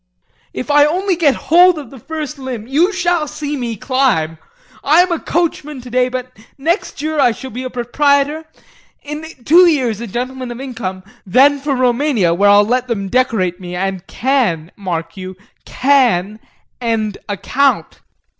If I only get hold of the first limb, you shall see me climb. I'm a coachman today, but next year I shall be a proprietor, in two years a gentleman of income; then for Roumania where I'll let them decorate me and can, mark you, can end a count!